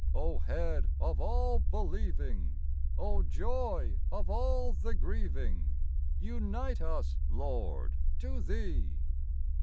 O Head of all believing ! O Joy of all the grieving ! Unite us, Lord, to Thee.